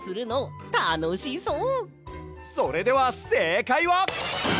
それではせいかいは。